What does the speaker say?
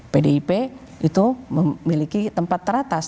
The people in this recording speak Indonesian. pdip itu memiliki tempat teratas